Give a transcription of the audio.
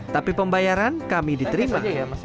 tapi pembayaran kami diterima